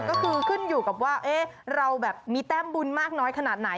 ก็คือขึ้นอยู่กับว่าเราแบบมีแต้มบุญมากน้อยขนาดไหน